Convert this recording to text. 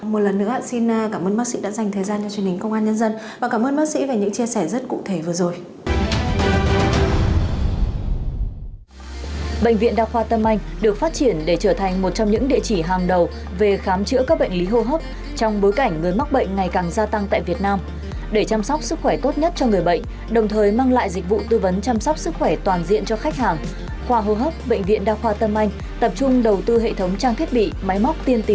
một lần nữa xin cảm ơn bác sĩ đã dành thời gian cho chương trình công an nhân dân và cảm ơn bác sĩ về những chia sẻ rất cụ thể vừa rồi